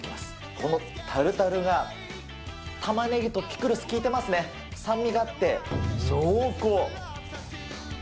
このタルタルが玉ねぎとピクルスきいてますね、酸味があって、濃厚。